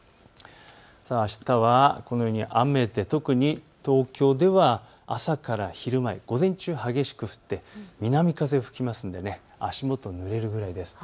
あしたはこのように雨で特に東京では朝から昼まで午前中、激しく降って南風が吹きますので足元ぬれるぐらいです。